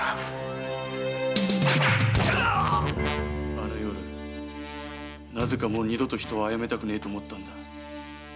あの夜なぜかもう二度と人を殺めたくねえと思ったんだ。